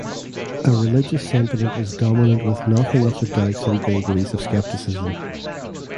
A religious sentiment is dominant with nothing of the doubts and vagaries of skepticism.